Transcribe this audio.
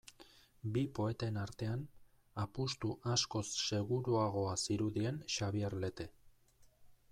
Bi poeten artean, apustu askoz seguruagoa zirudien Xabier Lete.